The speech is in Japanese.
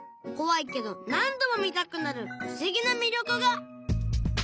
怖いけど何度も見たくなる不思議な魅力が